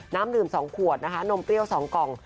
น้ำดื่ม๒ขวดนะคะนมเปรี้ยว๒กล่อง